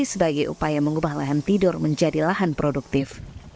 sebagai upaya mengubah lahan tidur menjadi lahan produktif